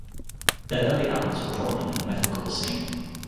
Their early albums were prominent in the metalcore scene.